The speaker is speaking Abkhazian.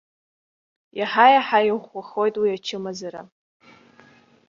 Иаҳа-иаҳа иӷәӷәахоит уи ачымазара.